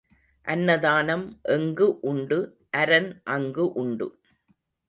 அன்னதானம் எங்கு உண்டு அரன் அங்கு உண்டு.